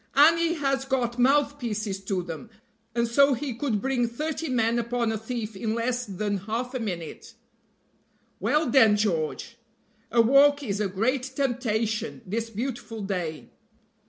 "And he has got mouth pieces to them, and so he could bring thirty men upon a thief in less than half a minute." "Well, then, George! a walk is a great temptation, this beautiful day."